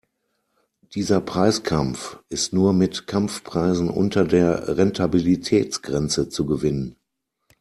Dieser Preiskampf ist nur mit Kampfpreisen unter der Rentabilitätsgrenze zu gewinnen.